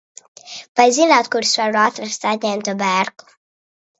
Vai zināt, kur es varu atrast aģentu Bērku?